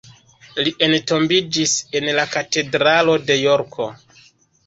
Li entombiĝis en la katedralo de Jorko.